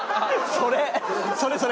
それそれ！